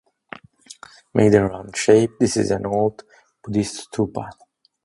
Made in round shape, this is an old Buddhist Stupa.